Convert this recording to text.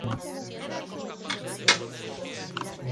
Selvas bajas perennifolias, matorrales perennifolios.